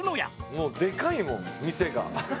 もうでかいもん店が。